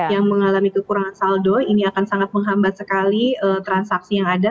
yang mengalami kekurangan saldo ini akan sangat menghambat sekali transaksi yang ada